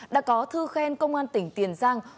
đã có thư khen công an tỉnh tiền giang